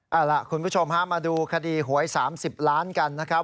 เอาล่ะคุณผู้ชมฮะมาดูคดีหวย๓๐ล้านกันนะครับ